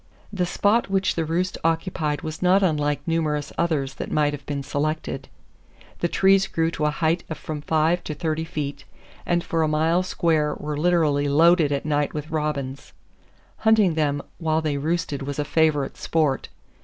"The spot which the roost occupied was not unlike numerous others that might have been selected. The trees grew to a height of from five to thirty feet, and for a mile square were literally loaded at night with robins. Hunting them while they roosted was a favorite sport.